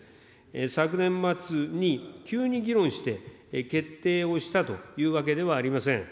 昨年末に急に議論して決定をしたというわけではありません。